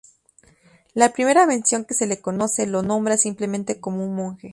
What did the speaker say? La primera mención que se le conoce lo nombra simplemente como un monje.